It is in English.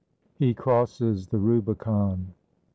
HE CROSSES THE RUBICON I.